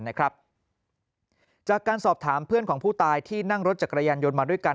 จากการสอบถามเพื่อนของผู้ตายที่นั่งรถจักรยานยนต์มาด้วยกัน